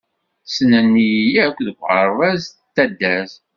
Ssnen-iyi akk deg uɣerbaz d taddart.